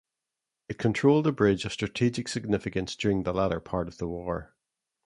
It controlled a bridge of strategic significance during the latter part of the war.